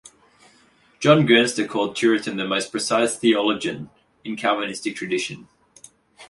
John Gerstner called Turretin the most precise theologian in the Calvinistic tradition.